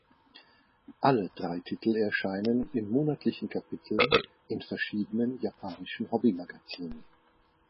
Alle drei Titel erscheinen in monatlichen Kapiteln in verschiedenen japanischen Hobby-Magazinen.